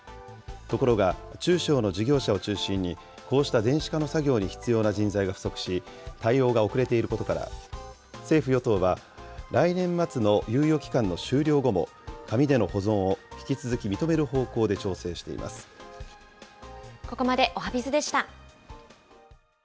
ところが、中小の事業者を中心にこうした電子化の作業に必要な人材が不足し、対応が遅れていることから、政府・与党は来年末の猶予期間の終了後も、紙での保存を引き続き認める方向で調整していここまでおはＢｉｚでした。